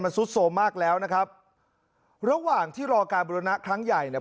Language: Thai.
ซุดโทรมมากแล้วนะครับระหว่างที่รอการบุรณะครั้งใหญ่เนี่ย